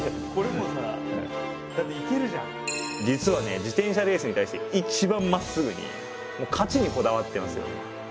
実はね自転車レースに対して一番まっすぐにもう勝ちにこだわってますよね。